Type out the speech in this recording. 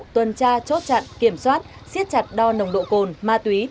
tuần tra chốt chặn kiểm soát siết chặt đo nồng độ cồn ma túy